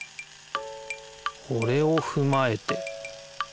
これをふまえて。